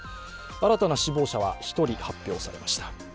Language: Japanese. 新たな死亡者は１人発表されました。